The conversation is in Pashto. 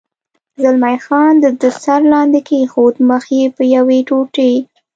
زلمی خان د ده سر لاندې کېښود، مخ یې په یوې ټوټې.